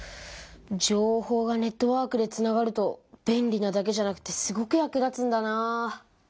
情報がネットワークでつながると便利なだけじゃなくてすごく役立つんだなあ。